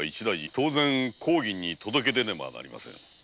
当然公儀に届けねばなりません。